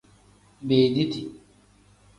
Beediti.